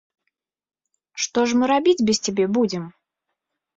Што ж мы рабіць без цябе будзем?